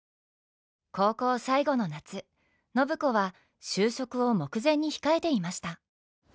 高校最後の夏暢子は就職を目前に控えていました。